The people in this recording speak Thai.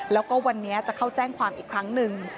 แล้วก็วันนี้จะเข้าแจ้งความอีกครั้งหนึ่ง